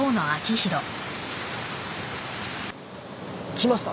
来ました。